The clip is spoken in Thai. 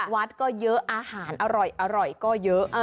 วัดก็เยอะอาหารอร่อยก็เยอะ